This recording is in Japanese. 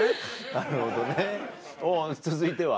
なるほどねおう続いては？